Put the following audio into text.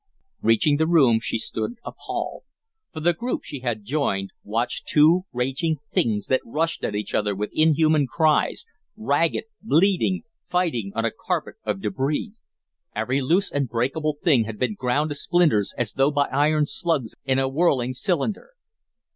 Reaching the room, she stood appalled; for the group she had joined watched two raging things that rushed at each other with inhuman cries, ragged, bleeding, fighting on a carpet of debris. Every loose and breakable thing had been ground to splinters as though by iron slugs in a whirling cylinder.